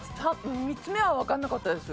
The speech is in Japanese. ３つ目はわかんなかったです。